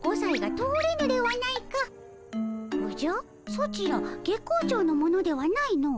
ソチら月光町の者ではないの。